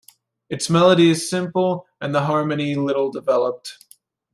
Its melody is simple and the harmony little developed.